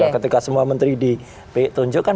ketika semua menteri ditunjukkan